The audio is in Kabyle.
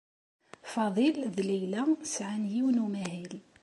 Faḍil d Layla sɛan yiwen n umahil.